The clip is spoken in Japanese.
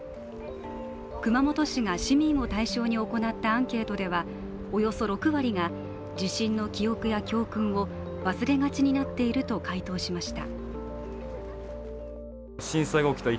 熊本市が市民を対象に行ったアンケートではおよそ６割が、「地震の記憶や教訓を忘れがちになっている」と回答しました。